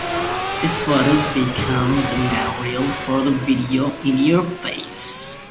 These photos became the material for the video "In Your Face".